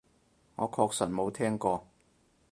我確實冇聽過